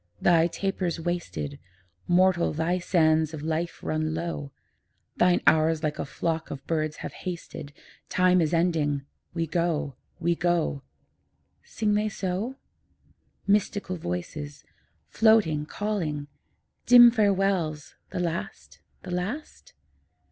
'Thy taper's wasted; Mortal, thy sands of life run low; Thine hours like a flock of birds have hasted: Time is ending; we go, we go.' Sing they so? Mystical voices, floating, calling; Dim farewells the last, the last?